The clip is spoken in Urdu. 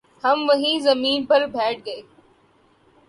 ہم وہیں زمین پر بیٹھ گ